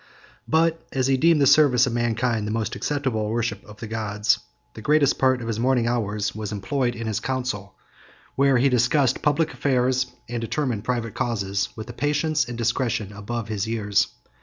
But as he deemed the service of mankind the most acceptable worship of the gods, the greatest part of his morning hours was employed in his council, where he discussed public affairs, and determined private causes, with a patience and discretion above his years.